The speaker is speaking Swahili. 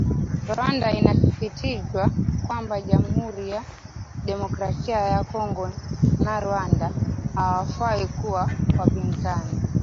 Rwanda inasisitizwa kwamba jamuhuri ya demokrasia ya Kongo na Rwanda hawafai kuwa wapinzani